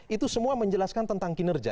itu semua menjelaskan tentang kinerja